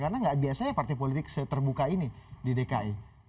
karena gak biasanya partai politik seterbuka ini di dki